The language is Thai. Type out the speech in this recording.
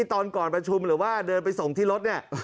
ตอนก่อนประชุมหรือว่าเดินไปส่งที่รถเนี่ย